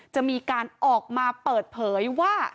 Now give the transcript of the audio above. จะมีการออกมาเปิดเผยว่า